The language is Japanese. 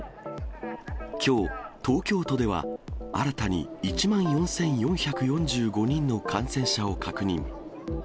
きょう、東京都では新たに１万４４４５人の感染者を確認。